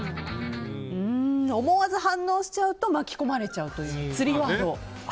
思わず反応しちゃうと巻き込まれちゃう釣りワード。